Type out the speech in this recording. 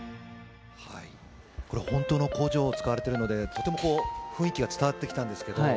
これ、本当の工場を使われてるので、とても雰囲気が伝わってきたんですけど。